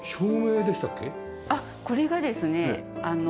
あっこれがですね